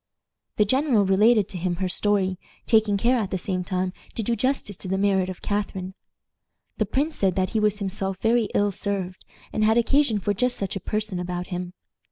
The general related to him her story, taking care, at the same time, to do justice to the merit of Catharine. The prince said that he was himself very ill served, and had occasion for just such a person about him.